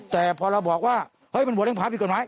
แต่พอเราบอกว่าเฮ้ยเป็นหัวเลี้ยงผาผิดกฎหมาย